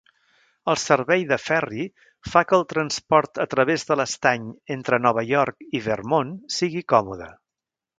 El servei de ferri fa que el transport a través de l'estany entre Nova York i Vermont sigui còmode.